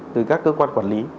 từ các cơ quan quản lý